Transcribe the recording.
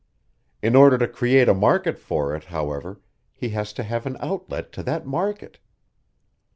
In order to create a market for it, however, he has to have an outlet to that market.